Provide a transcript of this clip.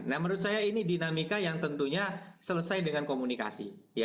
nah menurut saya ini dinamika yang tentunya selesai dengan komunikasi